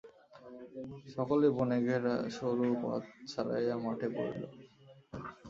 সকলে বনে ঘেরা সরু পথ ছাড়াইয়া মাঠে পড়িল।